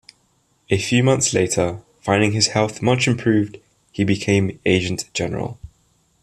A few months later, finding his health much improved, he became agent-general.